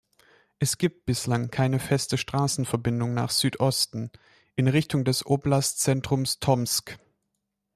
Es gibt bislang keine feste Straßenverbindung nach Südosten, in Richtung des Oblastzentrums Tomsk.